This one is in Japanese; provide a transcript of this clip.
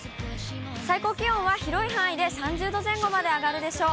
最高気温は広い範囲で３０度前後まで上がるでしょう。